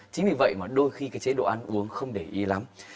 chính vì vậy mà đôi khi cái chế độ ăn uống không để ý lắm